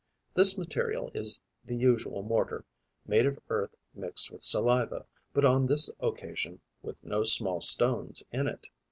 This material is the usual mortar, made of earth mixed with saliva, but on this occasion with no small stones in it.